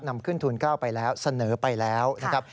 นำขึ้นทูล๙ไปแล้วเสนอไปแล้วนะครับ